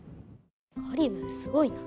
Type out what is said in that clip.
カリブーすごいな。